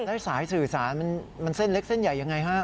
แล้วสายสื่อสารมันเส้นเล็กเส้นใหญ่ยังไงฮะ